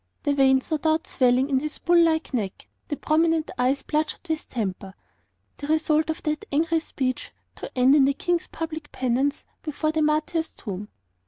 the veins no doubt swelling on his bull like neck, the prominent eyes bloodshot with temper, the result of that angry speech, to end in the King's public penance before the martyr's tomb.